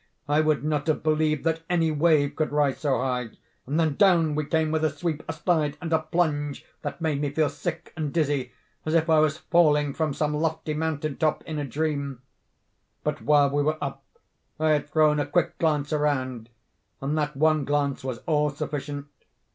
I would not have believed that any wave could rise so high. And then down we came with a sweep, a slide, and a plunge, that made me feel sick and dizzy, as if I was falling from some lofty mountain top in a dream. But while we were up I had thrown a quick glance around—and that one glance was all sufficient.